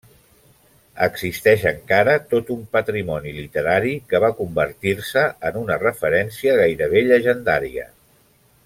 Existeix encara tot un patrimoni literari que va convertir-se en una referència gairebé llegendària.